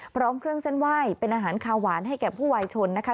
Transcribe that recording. พร้อมเครื่องเส้นไหว้เป็นอาหารคาหวานให้แก่ผู้วายชนนะคะ